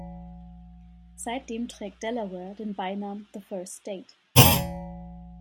Seitdem trägt Delaware den Beinamen "The First State".